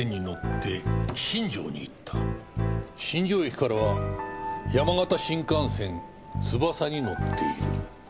新庄駅からは山形新幹線つばさに乗っている。